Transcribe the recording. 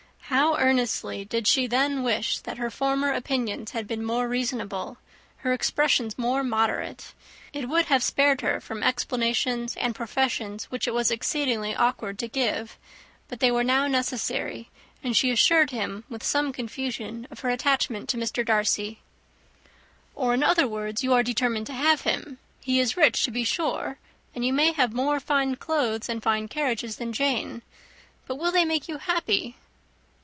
How earnestly did she then wish that her former opinions had been more reasonable, her expressions more moderate! It would have spared her from explanations and professions which it was exceedingly awkward to give; but they were now necessary, and she assured him, with some confusion, of her attachment to Mr. Darcy. "Or, in other words, you are determined to have him. He is rich, to be sure, and you may have more fine clothes and fine carriages than Jane. But will they make you happy?"